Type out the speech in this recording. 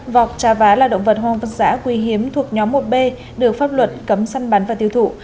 vọc trà vá là động vật hoang dã quý hiếm thuộc nhóm một b được pháp luật cấm săn bắn và tiêu thụ